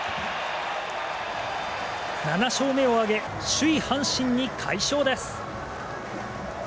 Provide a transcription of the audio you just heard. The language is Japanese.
７勝目を挙げ首位、阪神に快勝です。